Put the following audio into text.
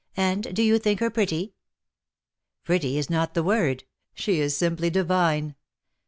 " And do you think her pretty ?"" Pretty is not the word. She is simply divine.